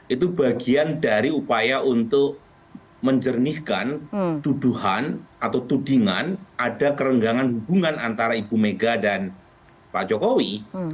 itu bagian dari upaya untuk menjernihkan tuduhan atau tudingan ada kerenggangan hubungan antara ibu mega dan pak jokowi